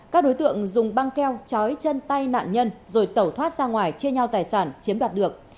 các đối tượng dùng băng keo chói chân tay nạn nhân rồi tẩu thoát ra ngoài chia nhau tài sản chiếm đoạt được